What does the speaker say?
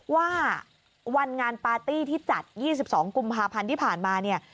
ว่าวันงานปาร์ตี้ที่จัด๒๒กุมภาพันธ์ที่ผ่านมาเนี่ย